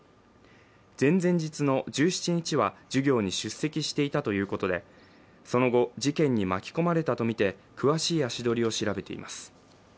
前々日の１７日は授業に出席していたということで、その後、事件に巻き込まれたとみて詳しい足取りを調べています。